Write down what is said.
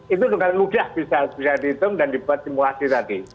itu dengan mudah bisa dihitung dan dibuat simulasi tadi